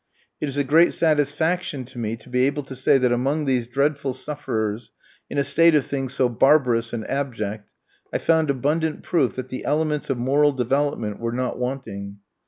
It is a great satisfaction to me to be able to say that among these dreadful sufferers, in a state of things so barbarous and abject, I found abundant proof that the elements of moral development were not wanting.